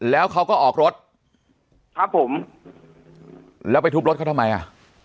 แล้วเขาก็ออกรถครับผมแล้วไปทุบรถเขาทำไมอ่ะ